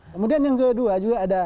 kemudian yang kedua